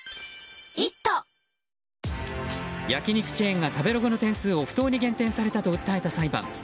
焼き肉チェーンが食べログの点数を不当に減点されたと訴えた裁判。